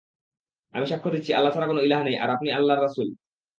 আমি সাক্ষ্য দিচ্ছি, আল্লাহ ছাড়া কোন ইলাহ নেই আর আপনি আল্লাহর রাসূল।